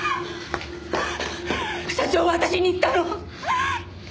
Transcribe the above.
社長は私に言ったの！